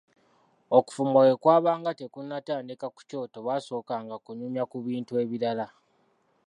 Okufumba bwe kwabanga tekunnatandika ku kyoto baasookanga kunyumya ku bintu ebirala.